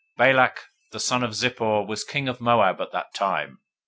Balak the son of Zippor was king of Moab at that time.